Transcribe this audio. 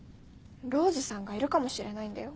ローズさんがいるかもしれないんだよ？